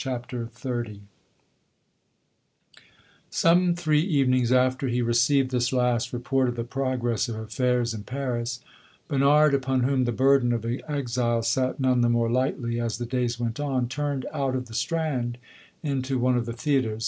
'" CHAPTER XXX Some three evenings after he received this last report of the progress of affairs in Paris, Bernard, upon whom the burden of exile sat none the more lightly as the days went on, turned out of the Strand into one of the theatres.